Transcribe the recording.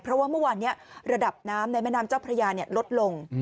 เพราะว่าเมื่อวานนี้ระดับน้ำในแม่น้ำเจ้าพระยาลดลง